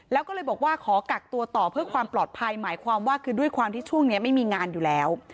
แล้วก็เลยบอกว่าขอกักตัวต่อเพื่อความปลอดภัยหมายความว่าคือด้วยความที่ช่วงนี้ไม่มีงานอยู่แล้ว